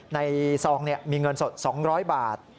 ซองมีเงินสด๒๐๐บาท